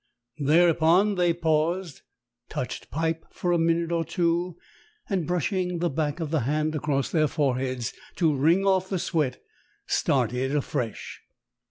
Thereupon they paused, "touched pipe" for a minute or two, and, brushing the back of the hand across their foreheads to wring off the sweat, started afresh.